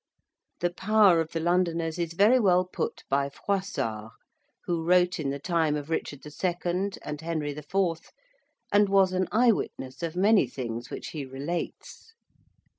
The power of the Londoners is very well put by Froissart, who wrote in the time of Richard II. and Henry IV., and was an eyewitness of many things which he relates.